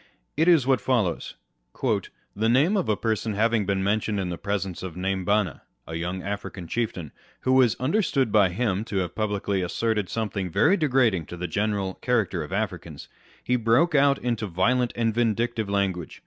It is what follows : â€" " The name of a person having been mentioned in the presence of .Naimbanna (a young African chieftain), who was understood by him to have publicly asserted something very degrading to the general character of Africans, he broke out into violent and vindictive language.